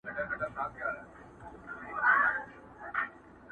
،پر مزار به یې رپېږي جنډۍ ورو ورو،